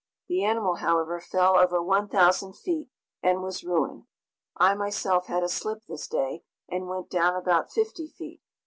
The animal, however, fell over 1,000 feet and was ruined. I myself had a slip this day and went down about fifty feet.